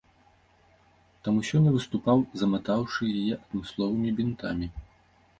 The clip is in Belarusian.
Таму сёння выступаў заматаўшы яе адмысловымі бінтамі.